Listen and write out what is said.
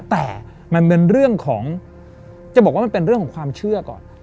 แต่มันเป็นเรื่องของจะบอกว่ามันเป็นเรื่องของความเชื่อก่อน